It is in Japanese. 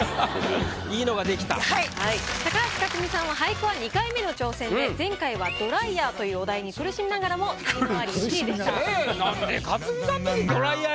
高橋克実さんは俳句は２回目の挑戦で前回は「ドライヤー」というお題に苦しみながらも才能アリ１位でした。